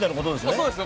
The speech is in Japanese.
そうですね